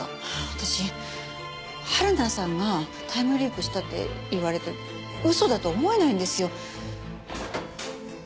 私はるなさんにタイムリープしたって言われて嘘だと思えないんですよ。